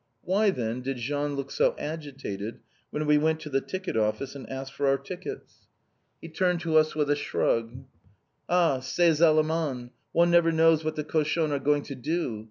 Why, then, did Jean look so agitated when we Went to the ticket office and asked for our tickets? He turned to us with a shrug. "Ah! Ces allemands! One never knows what the cochons are going to do!